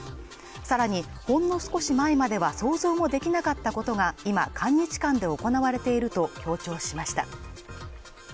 さらに、ほんの少し前までは想像もできなかったことが今韓日間で行われていると強調しました。